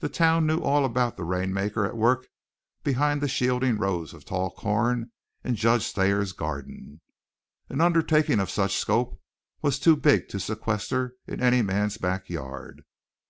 The town knew all about the rainmaker at work behind the shielding rows of tall corn in Judge Thayer's garden. An undertaking of such scope was too big to sequester in any man's back yard.